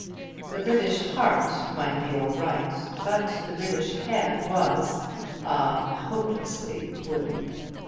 The British heart might be all right; but the British head was, ah, hopelessly wooden!